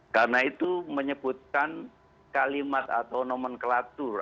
karena itu menyebutkan kalimat atau onomen kelahiran